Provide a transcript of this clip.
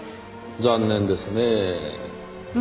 残念ですねぇ。